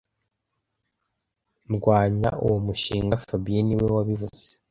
Ndwanya uwo mushinga fabien niwe wabivuze